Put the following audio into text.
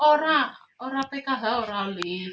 orang orang pekah hal orang